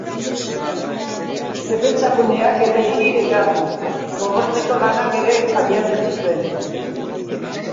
Defentsa guneak eraiki eta gotortzeko lanak ere abiatu zituen.